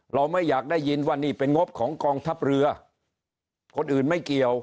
เราไม่อยากได้ยินว่านี่เป็นงบของกองทัพเรือคนอื่นไม่เกี่ยว